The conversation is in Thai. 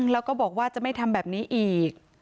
แล้วก็บอกว่าจะไม่ทำแบบนี้อีก